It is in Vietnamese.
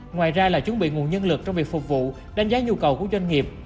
ngoài ra là chuẩn bị nguồn nhân lực trong việc phục vụ đánh giá nhu cầu của doanh nghiệp